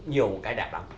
nhiều một cái đẹp lắm